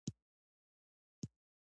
یوه ماته آینه لمر ته ځلیږي